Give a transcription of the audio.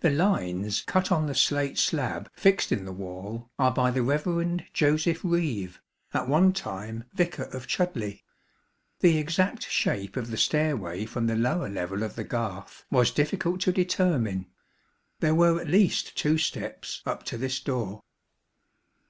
The lines cut on the slate slab fixed in the wall are by the Eev. Joseph Eeeve, at one time Vicar of Chudleigh. The exact shape of the stairway from the lower level of the garth was difficult to determine, there were at least two steps up to this door.